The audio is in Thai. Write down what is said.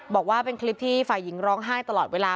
บอกว่าเป็นคลิปที่ฝ่ายหญิงร้องไห้ตลอดเวลา